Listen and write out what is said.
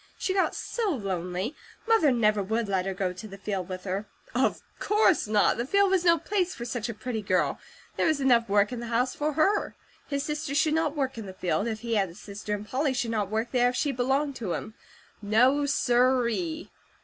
She got so lonely; Mother never would let her go to the field with her. Of course not! The field was no place for such a pretty girl; there was enough work in the house for her. His sister should not work in the field, if he had a sister, and Polly should not work there, if she belonged to him; No sir ee!